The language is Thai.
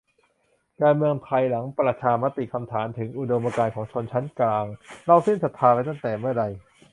การเมืองไทยหลังประชามติ คำถามถึงอุดมการณ์ของชนชั้นกลาง เราสิ้นศรัทธาไปตั้งแต่เมื่อใด ?